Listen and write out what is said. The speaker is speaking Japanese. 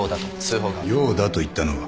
「ようだ」と言ったのは？